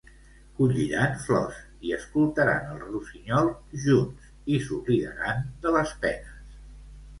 Colliran flors i escoltaran el rossinyol junts, i s'oblidaran de les penes!